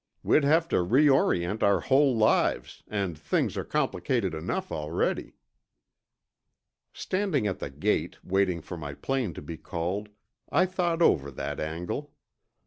We'd have to reorient our whole lives—and things are complicated enough already." Standing at the gate, waiting for my plane to be called, I thought over that angle.